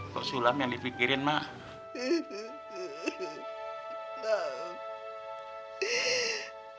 kok sulam yang dipikirin mah